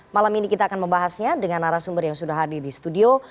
malam ini kita akan membahasnya dengan arah sumber yang sudah hadir di studio